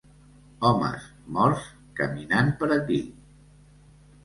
"Homes morts caminant per aquí!"